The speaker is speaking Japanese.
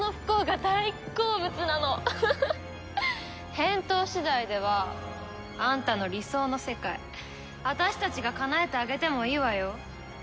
返答次第ではあんたの理想の世界私たちがかなえてあげてもいいわよ。